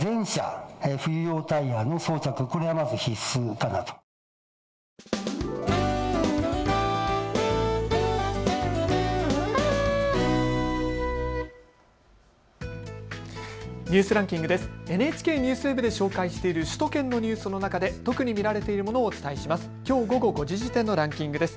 ＮＨＫＮＥＷＳＷＥＢで紹介している首都圏のニュースの中で特に見られているものをお伝えします。